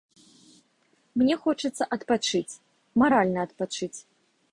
Мне хочацца адпачыць, маральна адпачыць.